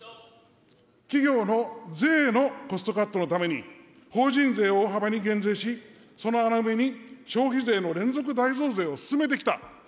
企業の税のコストカットのために、法人税を大幅に減税し、その穴埋めに、消費税の連続大増税を進めてきた。